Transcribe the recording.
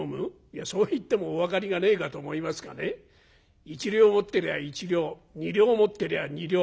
「いやそう言ってもお分かりがねえかと思いますがね一両持ってりゃ一両二両持ってりゃ二両。